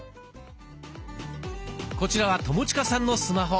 こちらは友近さんのスマホ。